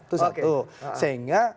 itu satu sehingga